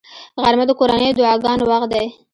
غرمه د کورنیو دعاګانو وخت دی